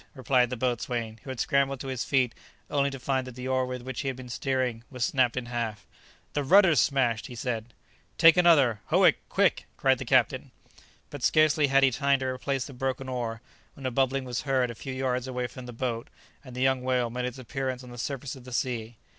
replied the boatswain, who had scrambled to his feet only to find that the oar with which he had been steering was snapped in half. "The rudder's smashed," he said. "Take another, Howick; quick!" cried the captain. But scarcely had he time to replace the broken oar, when a bubbling was heard a few yards away from the boat, and the young whale made its appearance on the surface of the sea.